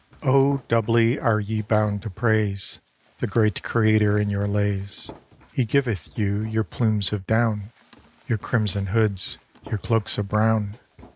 17 ITALY "Oh, doubly are ye bound to praise The great Creator in your lays; He giveth you your plumes of down, Your crimson hoods, your cloaks of brown.